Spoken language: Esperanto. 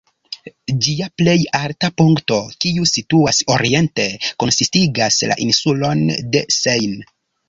Ĝia plej alta punkto, kiu situas oriente, konsistigas la insulon de Sein.